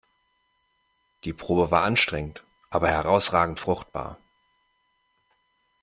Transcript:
Die Probe war anstrengend, aber herausragend fruchtbar.